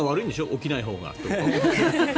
起きないほうが。